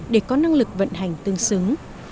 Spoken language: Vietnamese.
để có năng lực vận hành tương xứng